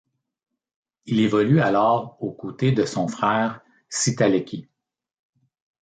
Il évolue alors au côté de son frère, Sitaleki.